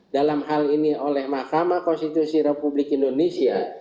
dalam hal ini oleh mahkamah konstitusi republik indonesia